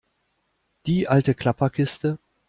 Die alte Klapperkiste?